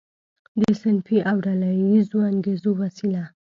د صنفي او ډله ییزو انګیزو په وسیله.